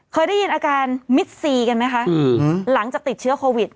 เคยได้ยินอาการมิดซีกันไหมคะหลังจากติดเชื้อโควิด